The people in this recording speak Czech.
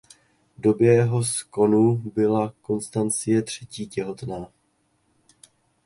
V době jeho skonu byla Konstancie potřetí těhotná.